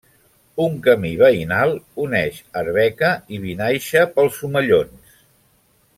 Un camí veïnal uneix Arbeca i Vinaixa pels Omellons.